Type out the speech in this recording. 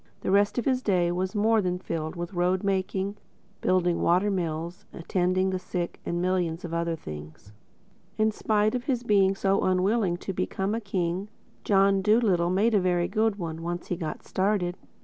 The rest of his day was more than filled with road making, building water mills, attending the sick and a million other things. In spite of his being so unwilling to become a king, John Dolittle made a very good one—once he got started.